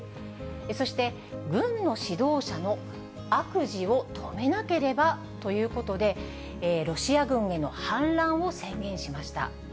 そして、軍の指導者の悪事を止めなければということで、ロシア軍への反乱を宣言しました。